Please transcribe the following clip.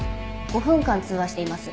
５分間通話しています。